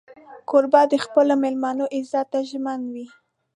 کوربه د خپلو مېلمنو عزت ته ژمن وي.